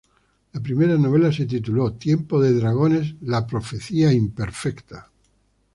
La primera novela se tituló "Tiempo de dragones: La profecía imperfecta".